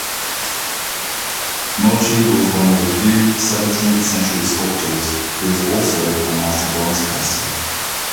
Mochi was one of the few seventeenth-century sculptors who was also a master bronze-caster.